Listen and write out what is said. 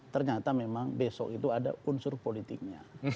ternyata memang besok itu ada unsur politiknya